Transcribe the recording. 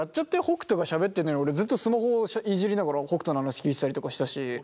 北斗がしゃべってんのに俺ずっとスマホいじりながら北斗の話聞いてたりとかしたし。